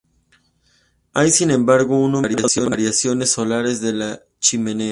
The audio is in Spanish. Hay sin embargo un número de variaciones solares de la chimenea.